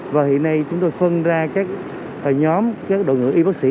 và hiện nay chúng tôi phân ra các nhóm các đội ngữ y bác sĩ